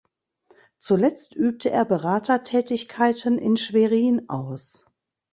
Zuletzt übte er Beratertätigkeiten in Schwerin aus.